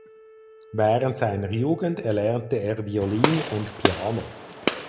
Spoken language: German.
Während seiner Jugend erlernte er Violin und Piano.